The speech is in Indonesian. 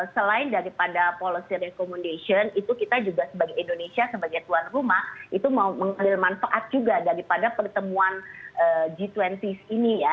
selain daripada policy recommendation itu kita juga sebagai indonesia sebagai tuan rumah itu mau mengambil manfaat juga daripada pertemuan g dua puluh ini ya